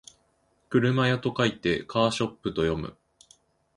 車屋と書いてカーショップと読む